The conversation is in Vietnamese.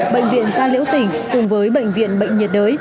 bệnh viện gia liễu tỉnh cùng với bệnh viện bệnh nhiệt đới